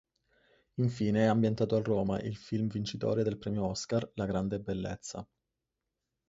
Infine è ambientato a Roma il film vincitore del premio Oscar La grande bellezza